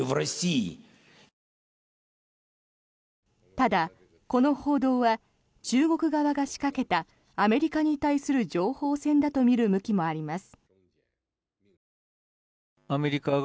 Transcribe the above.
ただ、この報道は中国側が仕掛けたアメリカに対する情報戦だと見る向きもあります。